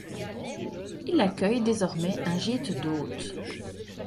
Il accueille désormais un gîte d'hôtes.